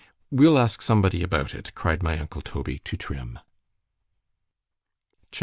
——We'll ask somebody about it, cried my uncle Toby to Trim. C H A P.